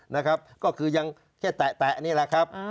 นะครับก็คือยังแค่แตะนี่แหละครับ